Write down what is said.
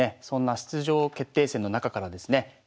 そんな出場決定戦の中からですね